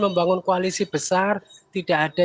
membangun koalisi besar tidak ada